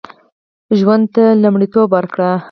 ژوند ته لومړیتوب ورکړو